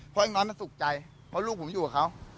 เพราะไอ้น้อยมันสุขใจเพราะลูกผมอยู่กับเขา